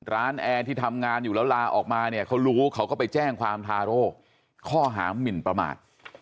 แอร์ที่ทำงานอยู่แล้วลาออกมาเนี่ยเขารู้เขาก็ไปแจ้งความทาโร่ข้อหามินประมาท